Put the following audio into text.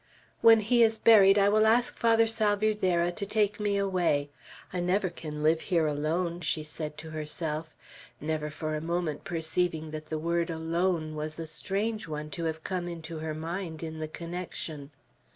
"When he is buried, I will ask Father Salvierderra to take me away. I never can live here alone," she said to herself, never for a moment perceiving that the word "alone" was a strange one to have come into her mind in the connection.